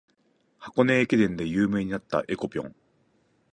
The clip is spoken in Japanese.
箱根駅伝で有名になった「えこぴょん」